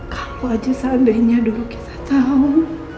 kalo aja seandainya dulu kita tau